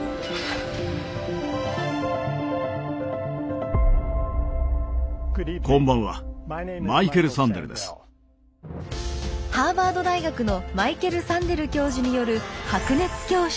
ハーバード大学のマイケル・サンデル教授による「白熱教室」。